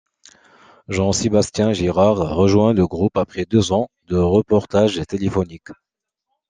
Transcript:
Jean-Sébastien Girard rejoint le groupe après deux ans de reportages téléphoniques.